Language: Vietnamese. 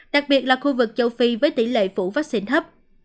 đặc biệt là khu vực châu phi với tỷ lệ phủ vaccine thấp